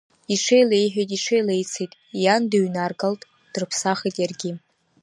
Иҽеилеиҳәеит-иҽеилеицеит, иан дыҩнаргалт, дрыԥсахит иаргьы.